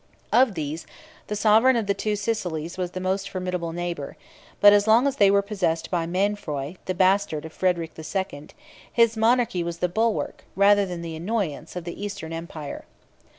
Of these, the sovereign of the Two Sicilies was the most formidable neighbor: but as long as they were possessed by Mainfroy, the bastard of Frederic the Second, his monarchy was the bulwark, rather than the annoyance, of the Eastern empire.